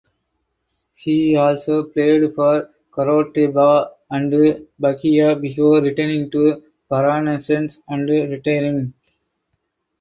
He also played for Coritiba and Bahia before returning to Paranaense and retiring.